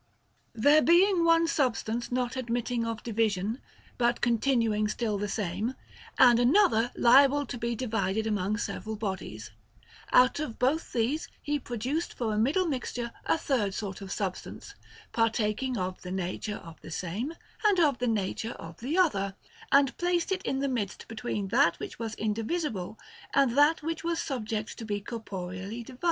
f " There being one substance not admitting of division, but continuing still the same, and another liable to be divided among several bodies, out of both these he produced for a mid dle mixture a third sort of Substance, partaking of the nature of the Same and of the nature of the Other, and placed it in the midst between that which was indivisible and that which was subject to be corporeally divided.